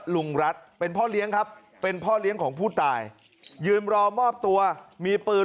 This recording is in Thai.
เลี้ยงครับเป็นพ่อเลี้ยงของผู้ตายยืมรอมอบตัวมีปืน